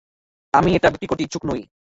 আমি এটা বিক্রি করতে ইচ্ছুক নই।